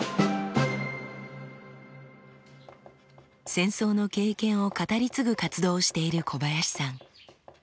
戦争の経験を語り継ぐ活動をしている小林さん。